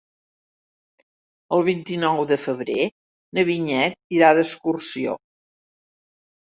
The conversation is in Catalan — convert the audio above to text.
El vint-i-nou de febrer na Vinyet irà d'excursió.